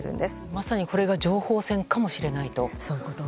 まさにこれが情報戦かもしれないと。